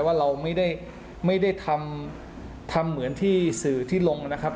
ว่าเราไม่ได้ทำทำเหมือนที่สื่อที่ลงนะครับ